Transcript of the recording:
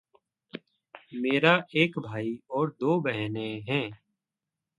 मेरा एक भाई और दो बहनें हैं।